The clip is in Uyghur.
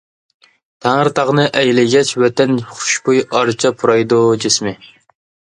تەڭرىتاغنى ئەيلىگەچ ۋەتەن خۇشبۇي ئارچا پۇرايدۇ جىسمى.